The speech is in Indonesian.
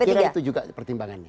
saya kira itu juga pertimbangannya